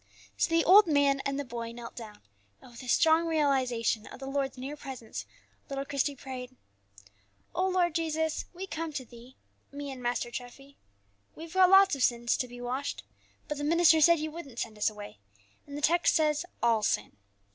So the old man and the boy knelt down, and, with a strong realization of the Lord's near presence, little Christie prayed: "O Lord Jesus, we come to Thee, me and Master Treffy: we've got lots of sins to be washed, but the minister said you wouldn't send us away, and the text says all sin.